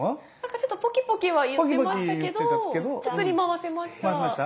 ちょっとポキポキはいってましたけど普通に回せました。